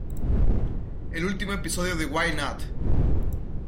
El último episodio de "Why Not?